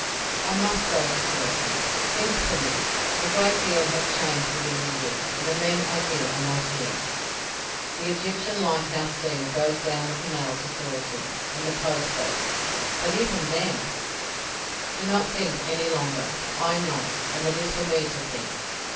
"I must go to Suakin. Think for me. A great deal has changed within the year, and the men I knew are not here. The Egyptian lighthouse steamer goes down the Canal to Suakin—and the post boats—But even then——" "Do not think any longer. I know, and it is for me to think.